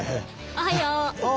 おはよう！